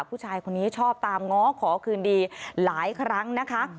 ผู้ชายคนนี้ชอบตามง้อขอคืนดีหลายครั้งนะคะ